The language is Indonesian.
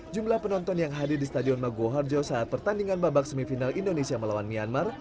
jumlah penonton yang hadir di stadion maguwo harjo saat pertandingan babak semifinal indonesia melawan myanmar